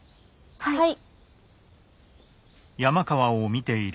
はい。